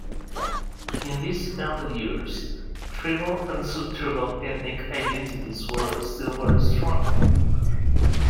In these early years tribal and sub-tribal ethnic identities were still very strong.